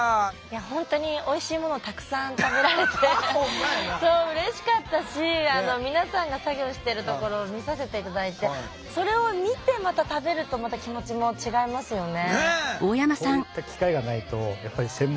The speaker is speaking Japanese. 本当においしいものをたくさん食べられてうれしかったし皆さんが作業してるところを見させて頂いてそれを見てまた食べるとまた気持ちも違いますよね。